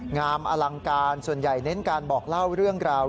งามอลังการส่วนใหญ่เน้นการบอกเล่าเรื่องราว